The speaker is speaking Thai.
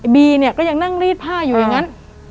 บีเนี่ยก็ยังนั่งรีดผ้าอยู่อย่างนั้น